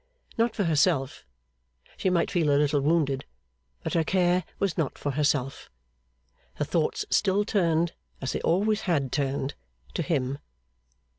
Not for herself. She might feel a little wounded, but her care was not for herself. Her thoughts still turned, as they always had turned, to him.